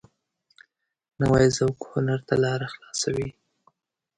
نوی ذوق هنر ته لاره خلاصوي